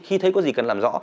khi thấy có gì cần làm rõ